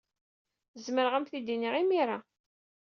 Zemreɣ ad am-t-id-iniɣ imir-a.